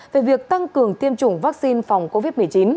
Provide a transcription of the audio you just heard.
về việc tăng cường tiêm chủng vaccine phòng covid một mươi chín